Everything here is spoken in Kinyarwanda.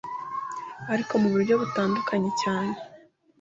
ariko mu buryo butandukanye cyane